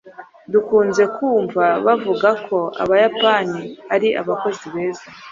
Dukunze kumva bavuga ko abayapani ari abakozi beza.